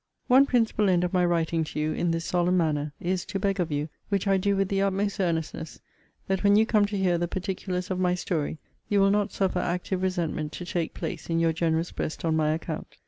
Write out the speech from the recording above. One principal end of my writing to you, in this solemn manner, is, to beg of you, which I do with the utmost earnestness, that when you come to hear the particulars of my story, you will not suffer active resentment to take place in your generous breast on my account.